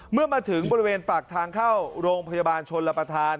เมื่อมาถึงบริเวณปากทางเข้าโรงพยาบาลชนรับประทาน